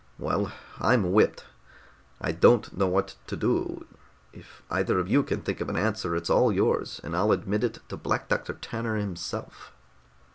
Well, I'm whipped. I don't know what to do. If either of you can think of an answer, it's all yours, and I'll admit it to Black Doctor Tanner himself."